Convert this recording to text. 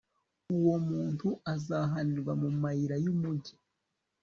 uwo muntu azahanirwa mu mayira y'umugi